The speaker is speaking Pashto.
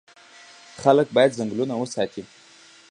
خلک باید ځنګلونه وساتي.